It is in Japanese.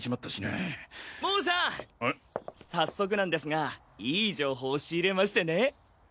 早速なんですがいい情報を仕入れましてね。